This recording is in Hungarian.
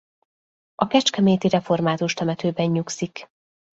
A kecskeméti református temetőben nyugszik.